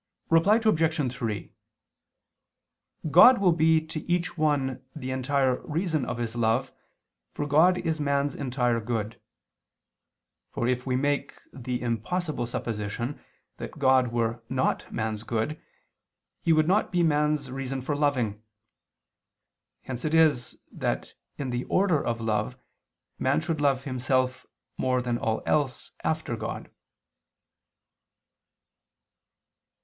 Reply Obj. 3: God will be to each one the entire reason of his love, for God is man's entire good. For if we make the impossible supposition that God were not man's good, He would not be man's reason for loving. Hence it is that in the order of love man should love himself more than all else after God.